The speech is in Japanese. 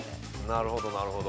なるほどなるほど。